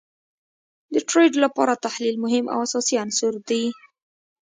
د ټریډ لپاره تحلیل مهم او اساسی عنصر دي